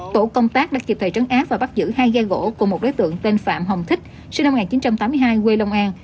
tổ công tác đã kịp thời trấn áp và bắt giữ hai ghe gỗ của một đối tượng tên phạm hồng thích sinh năm một nghìn chín trăm tám mươi hai quê long an